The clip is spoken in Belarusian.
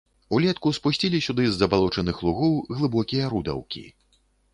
Улетку спусцілі сюды з забалочаных лугоў глыбокія рудаўкі.